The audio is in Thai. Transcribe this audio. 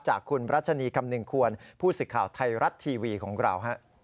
จากคุณรัชนีคำหนึ่งควรผู้สิทธิ์ข่าวไทยรัฐทีวีของเรา